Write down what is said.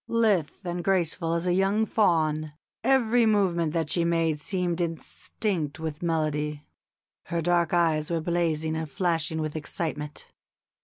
Lithe and graceful as a young fawn, every movement that she made seemed instinct with melody. Her dark eyes were blazing and flashing with excitement.